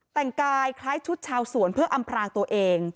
แต่งกายคล้ายชุดชาวสวนเพื่ออำพรางตัวเอง